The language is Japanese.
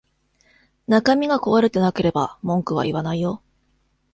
中身が壊れてなければ文句は言わないよ